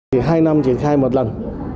hai năm triển khai một lần